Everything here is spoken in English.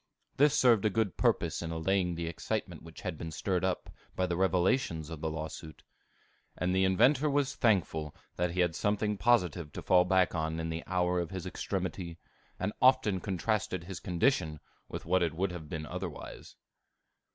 This served a good purpose in allaying the excitement which had been stirred up by the revelations of the lawsuit. And the inventor was thankful that he had something positive to fall back upon in the hour of his extremity, and often contrasted his condition with what it would have been otherwise.